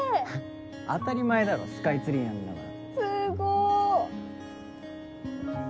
当たり前だろスカイツリーなんだから。すごっ。